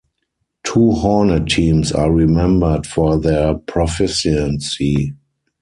Two Hornet teams are remembered for their proficiency.